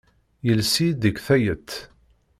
Yelles-iyi-d deg tayet.